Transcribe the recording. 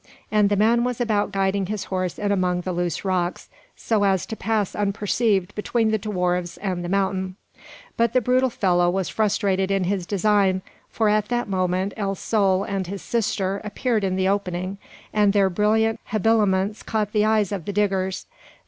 And the man was about guiding his horse in among the loose rocks, so as to pass unperceived between the dwarfs and the mountain. But the brutal fellow was frustrated in his design; for at that moment El Sol and his sister appeared in the opening, and their brilliant habiliments caught the eyes of the Diggers.